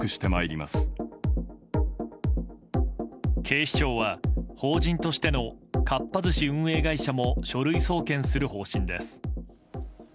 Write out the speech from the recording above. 警視庁は法人としてのかっぱ寿司運営会社も書類送検する方針です。